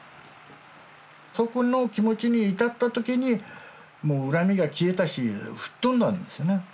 そこの気持ちに至った時にもう恨みが消えたし吹っ飛んだんですよね。